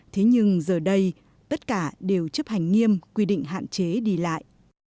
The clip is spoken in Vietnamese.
thế nhưng giờ đây tất cả đều chấp hành nghiêm quy định hạn chế đi lại